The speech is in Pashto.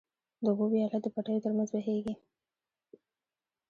د اوبو وياله د پټيو تر منځ بهيږي.